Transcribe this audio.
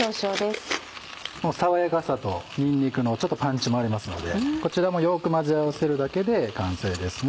爽やかさとにんにくのちょっとパンチもありますのでこちらもよく混ぜ合わせるだけで完成ですね。